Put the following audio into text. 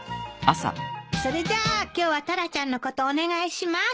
それじゃあ今日はタラちゃんのことお願いします。